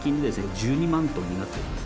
１２万ｔになっています。